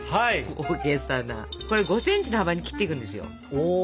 これ５ｃｍの幅に切っていくんですよ。